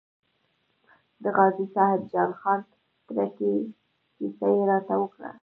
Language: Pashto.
د غازي صاحب جان خان تره کې کیسه یې راته وکړه.